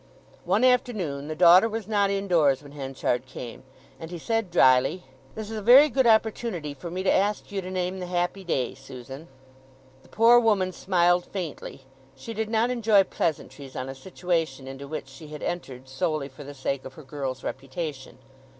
One afternoon the daughter was not indoors when Henchard came, and he said drily, "This is a very good opportunity for me to ask you to name the happy day, Susan." The poor woman smiled faintly; she did not enjoy pleasantries on a situation into which she had entered solely for the sake of her girl's reputation.